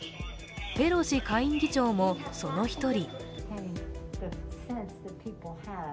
ペロシ下院議長もその１人。